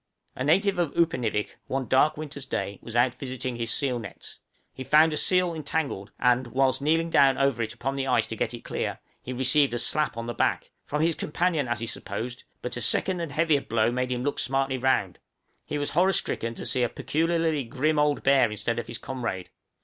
A native of Upernivik, one dark winter's day, was out visiting his seal nets. He found a seal entangled, and, whilst kneeling down over it upon the ice to get it clear, he received a slap on the back from his companion as he supposed; but a second and heavier blow made him look smartly round. He was horror stricken to see a peculiarly grim old bear instead of his comrade!